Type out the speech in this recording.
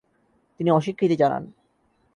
তিনি অস্বীকৃতি জানান।